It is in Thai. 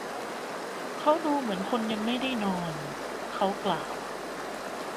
เขาดูเหมือนคนยังไม่ได้นอน เขากล่าว